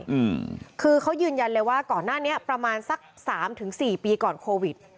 อืมคือเขายืนยันเลยว่าก่อนหน้านี้ประมาณสักสามถึงสี่ปีก่อนโควิด